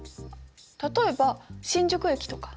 例えば新宿駅とか。